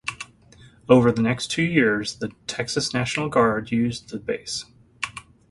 Over the next two years the Texas National Guard used the base.